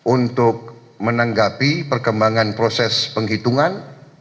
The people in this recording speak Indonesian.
untuk menanggapi perkembangan proses penghitungan